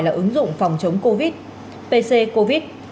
là ứng dụng phòng chống covid pc covid